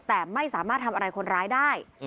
แต่ไม่สามารถทำอะไรคนร้ายได้